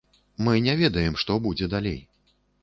Мы не ведаем, што будзе далей.